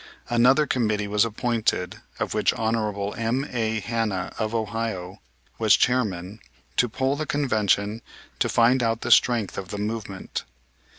Another committee was appointed, of which Hon. M.A. Hanna, of Ohio, was chairman, to poll the Convention to find out the strength of the movement.